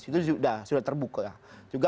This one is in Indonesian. itu sudah terbuka ya